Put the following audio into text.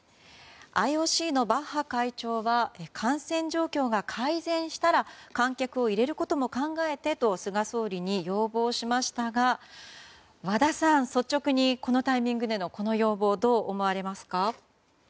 ＩＯＣのバッハ会長は感染状況が改善したら観客を入れることも考えてと菅総理に要望しましたが和田さん、率直にこのタイミングでのこの要望、どう思われますか。